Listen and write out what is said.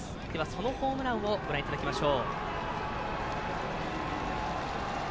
そのホームランをご覧いただきます。